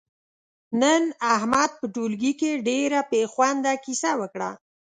نن احمد په ټولگي کې ډېره بې خونده کیسه وکړه،